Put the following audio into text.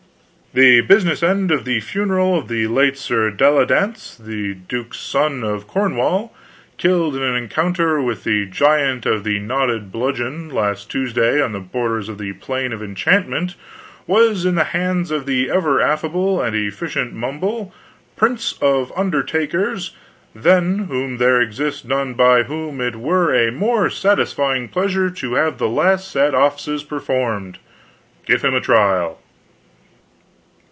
The bdsiness end of the funeral of the late Sir Dalliance the duke's son of Cornwall, killed in an encounter with the Giant of the Knotted Bludgeon last Tuesday on the borders of the Plain of Enchantment was in the hands of the ever affable and efficient Mumble, prince of un3ertakers, then whom there exists none by whom it were a more satisfying pleasure to have the last sad offices performed. Give him a trial.